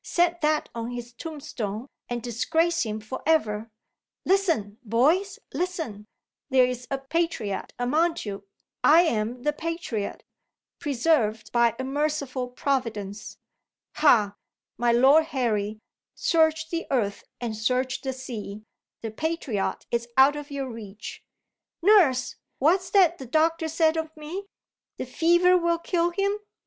Set that on his tombstone, and disgrace him for ever. Listen, boys listen! There is a patriot among you. I am the patriot preserved by a merciful Providence. Ha, my Lord Harry, search the earth and search the sea, the patriot is out of your reach! Nurse! What's that the doctor said of me? The fever will kill him?